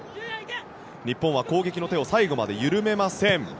日本は攻撃の手を最後まで緩めません。